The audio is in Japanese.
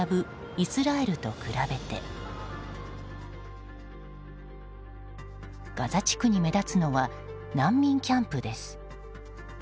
イスラエルと比べてガザ地区に目立つのは難民キャンプです。